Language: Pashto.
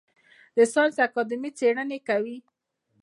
د ساینس اکاډمي څیړنې کوي